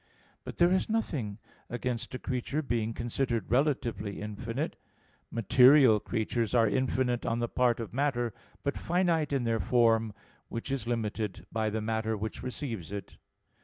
But there is nothing against a creature being considered relatively infinite. Material creatures are infinite on the part of matter, but finite in their form, which is limited by the matter which receives it.